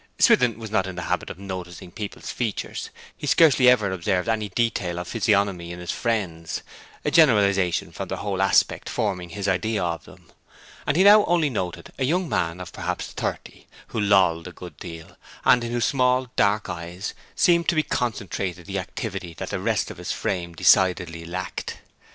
Swithin was not in the habit of noticing people's features; he scarcely ever observed any detail of physiognomy in his friends, a generalization from their whole aspect forming his idea of them; and he now only noted a young man of perhaps thirty, who lolled a good deal, and in whose small dark eyes seemed to be concentrated the activity that the rest of his frame decidedly lacked.